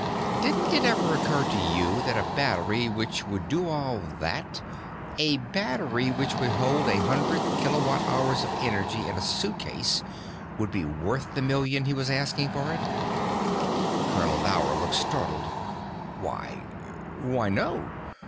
Didn't it ever occur to you that a battery which would do all that a battery which would hold a hundred kilowatt hours of energy in a suitcase would be worth the million he was asking for it?" Colonel Dower looked startled. "Why ... why, no.